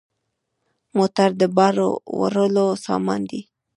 موټر د بار وړلو سامان دی.